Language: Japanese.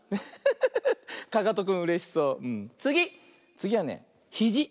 つぎはねひじ。